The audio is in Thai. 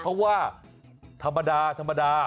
เพราะว่าธรรมดา